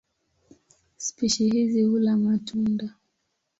Spishi hizi hula matunda.